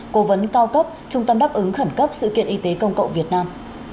cố vấn cao cấp trung tâm đáp ứng khẩn cấp sự kiện y tế công cộng việt nam